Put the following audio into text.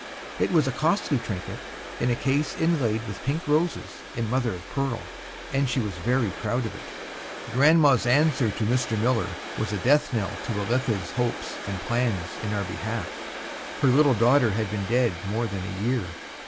It was a costly trinket, in a case inlaid with pink roses, in mother of pearl, and she was very proud of it. Grandma's answer to Mr. Miller was a death knell to Elitha's hopes and plans in our behalf. Her little daughter had been dead more than a year.